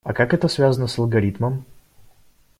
А как это связано с алгоритмом?